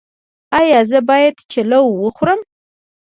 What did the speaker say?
ایا زه باید چلو وخورم؟